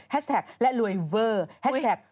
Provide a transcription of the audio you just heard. แท็กและรวยเวอร์แฮชแท็ก